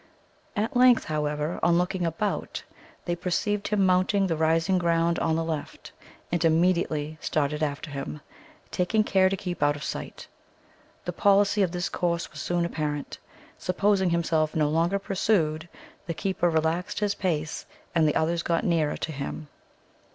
At length, however, on looking about, they perceived him mounting the rising ground on the left, and immediately started after him, taking care to keep out of sight. The policy of this course was soon apparent. Supposing himself no longer pursued, the keeper relaxed his pace, and the others got nearer to him.